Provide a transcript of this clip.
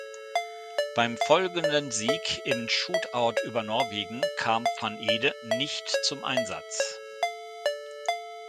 Beim folgenden Sieg im Shootout über Norwegen kam van Ede nicht zum Einsatz.